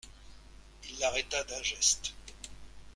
Il l'arrêta d'un geste.